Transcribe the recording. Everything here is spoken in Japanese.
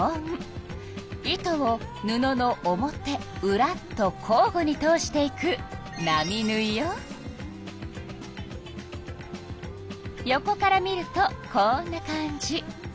糸を布の表うらと交ごに通していく横から見るとこんな感じ。